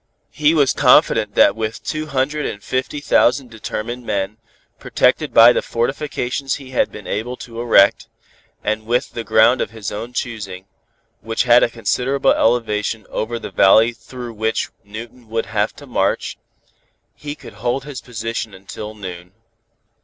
He was confident that with two hundred and fifty thousand determined men, protected by the fortifications he had been able to erect, and with the ground of his own choosing, which had a considerable elevation over the valley through which Newton would have to march, he could hold his position until noon.